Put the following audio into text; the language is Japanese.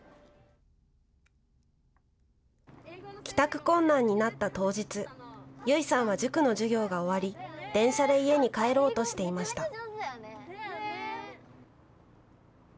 帰宅困難になった当日、結衣さんは塾の授業が終わり電車で家に帰ろうとしていました。